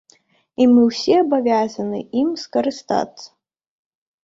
І мы ўсе абавязаны ім скарыстацца.